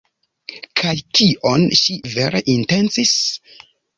Kaj kion ŝi vere intencis?